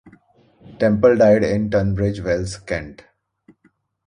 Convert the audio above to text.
Temple died in Tunbridge Wells, Kent.